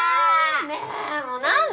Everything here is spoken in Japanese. ねえもう何で？